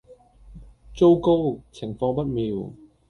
糟糕！情況不妙